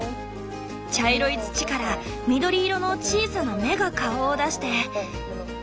茶色い土から緑色の小さな芽が顔を出して。